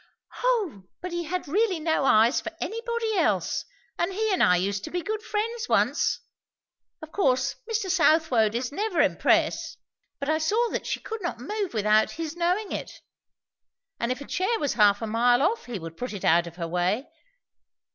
"O but he had really no eyes for anybody else; and he and I used to be good friends once. Of course, Mr. Southwode is never empress? but I saw that she could not move without his knowing it; and if a chair was half a mile off he would put it out of her way.